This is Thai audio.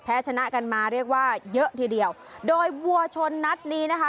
ชนะกันมาเรียกว่าเยอะทีเดียวโดยวัวชนนัดนี้นะคะ